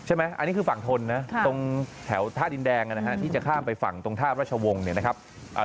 ใช่ไหมอันนี้คือฝั่งทนนะตรงแถวท่าดินแดงนะฮะที่จะข้ามไปฝั่งตรงท่าราชวงศ์เนี่ยนะครับ